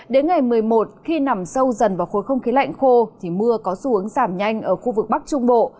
đến ngày một mươi một khi nằm sâu dần vào khối không khí lạnh khô thì mưa có xu hướng giảm nhanh ở khu vực bắc trung bộ